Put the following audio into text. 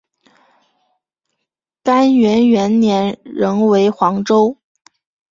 干元元年仍为黄州。